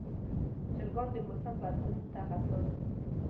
چرګان د موسم بدلون ته حساس دي.